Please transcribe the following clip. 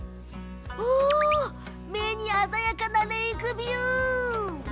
目に鮮やかなレイクビュー！